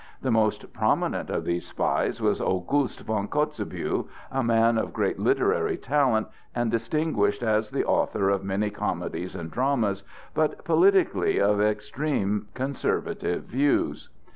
The most prominent of these spies was August von Kotzebue, a man of great literary talent and distinguished as the author of many comedies and dramas, but politically of extreme conservative views.